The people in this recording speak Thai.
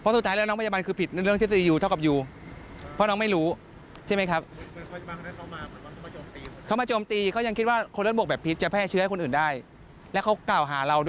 จะฆ่าคนตั้งแต่ที่เราไม่แพร่เชื้อแล้ว